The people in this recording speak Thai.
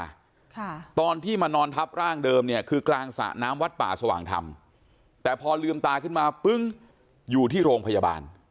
ค่ะตอนที่มานอนทับร่างเดิมเนี่ยคือกลางสระน้ำวัดป่าสว่างธรรมแต่พอลืมตาขึ้นมาปึ้งอยู่ที่โรงพยาบาล